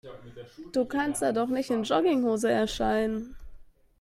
Du kannst da doch nicht in Jogginghose erscheinen.